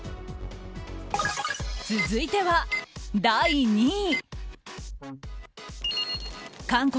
続いては、第２位。